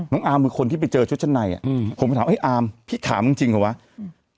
น้องอาร์มเป็นคนที่ไปเจอชุดชั้นในอ่ะอืมผมถามไอ้อาร์มพี่ถามจริงหรือเปล่าอืม